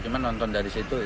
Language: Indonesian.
cuma nonton dari situ